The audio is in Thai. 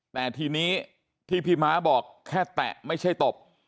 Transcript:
แต่ทีนี้ที่พี่ม้าบอกแค่แตะไม่ใช่ตบ